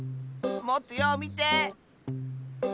もっとようみて！